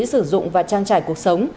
sử dụng và trang trải cuộc sống